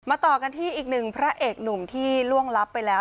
ต่อกันที่อีกหนึ่งพระเอกหนุ่มที่ล่วงลับไปแล้ว